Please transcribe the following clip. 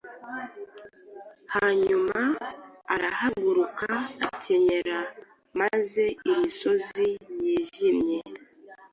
Hanyuma arahaguruka akenyera maze imisozi yijimye